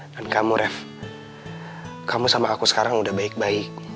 dan kamu ref kamu sama aku sekarang udah baik baik